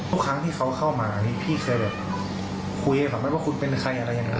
ทุกครั้งที่เขาเข้ามาพี่เคยแบบคุยให้ฟังว่าคุณเป็นใครอะไรอย่างนั้น